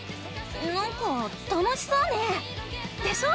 なんか楽しそうねぇ。でしょ！